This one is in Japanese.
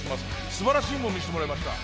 すばらしいもん見せてもらいました。